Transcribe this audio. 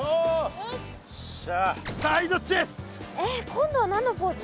今度は何のポーズ？